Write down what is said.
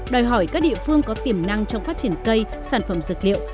đòi hỏi các địa phương có tiềm năng trong phát triển cây sản phẩm dược liệu